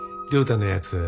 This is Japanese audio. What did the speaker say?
亮太のやつ